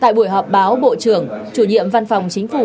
tại buổi họp báo bộ trưởng chủ nhiệm văn phòng chính phủ